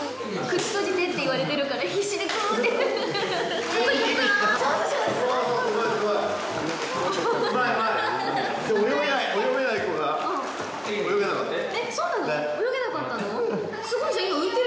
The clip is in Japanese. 口、閉じてって言われてるから、必死でグゥッて。